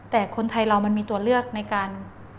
แต่คนไทยเรามันมีตัวเลือกในการ